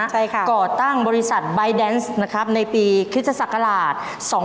ใช่ค่ะก่อตั้งบริษัทใบแดนส์นะครับในปีคริสตศักราช๒๕๖